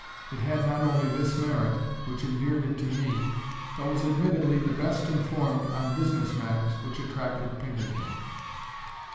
It had not only this merit, which endeared it to me, but was admittedly the best informed on business matters, which attracted Pinkerton.